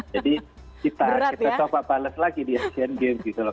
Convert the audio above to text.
jadi kita coba bales lagi di asian games gitu loh